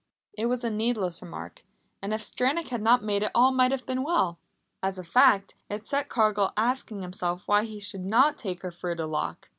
It was a needless remark, and if Stranack had not made it all might have been well. As a fact, it set Cargill asking himself why he should not take her through the lock.